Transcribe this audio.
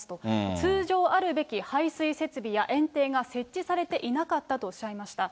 通常あるべき排水設備やえん堤が設置されていなかったとおっしゃいました。